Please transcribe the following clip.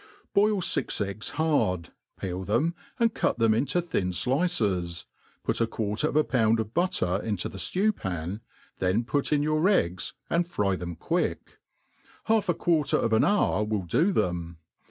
. BOIL fix eggs hard, peel them, and cut them into thic^ flices, put a quarter of a pound of butter into the flew pan, then put in your eggs and fry them quick. Half a quarter of an hour will do them.